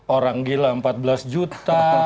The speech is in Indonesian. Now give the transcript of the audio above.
orang gila empat belas juta